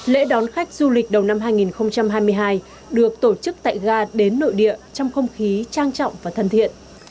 lễ đón khách du lịch đầu năm hai nghìn hai mươi hai được tổ chức tại ga đến nội địa trong không khí trang trọng và thân thiện